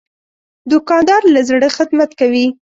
دوکاندار له زړه خدمت کوي.